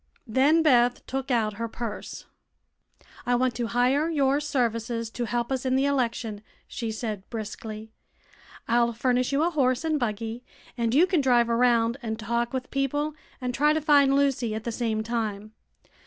Then Beth took out her purse. "I want to hire your services to help us in the election," she said, briskly. "I'll furnish you a horse and buggy and you can drive around and talk with people and try to find Lucy at the same time.